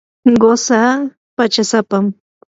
qusaa pachasapam.